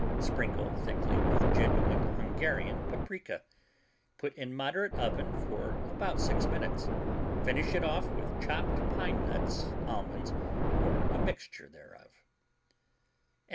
Sprinkle thickly with genuine Hungarian paprika. Put in moderate oven for about 6 minutes. Finish it off with chopped pine nuts, almonds, or a mixture thereof.